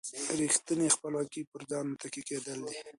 ریښتینې خپلواکي پر ځان متکي کېدل دي.